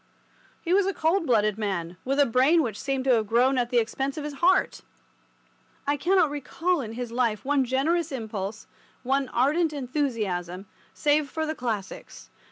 He was a cold blooded man, with a brain which seemed to have grown at the expense of his heart. I cannot recall in his life one generous impulse, one ardent enthusiasm, save for the Classics.